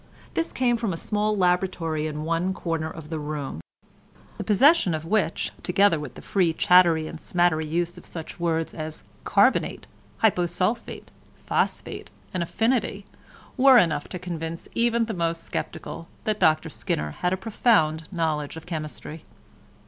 This came from a small laboratory in one corner of the room—the possession of which, together with the free chattery and smattery use of such words as "carbonate," "hyposulphite," "phosphate," and "affinity," were enough to convince even the most sceptical that Dr Skinner had a profound knowledge of chemistry.